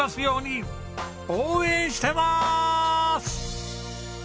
応援してます！